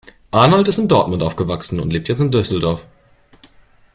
Arnold ist in Dortmund aufgewachsen und lebt jetzt in Düsseldorf.